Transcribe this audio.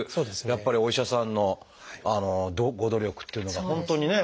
やっぱりお医者さんのご努力っていうのが本当にね